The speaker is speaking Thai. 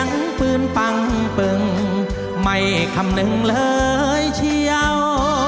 ปืนปังปึงไม่คำนึงเลยเชียว